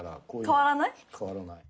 変わらない。